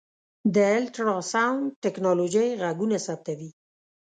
د الټراسونډ ټکنالوژۍ غږونه ثبتوي.